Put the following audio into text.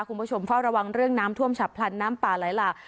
คุณผู้ชมเฝ้าระวังเรื่องน้ำท่วมฉับพลันน้ำป่าไหลหลาก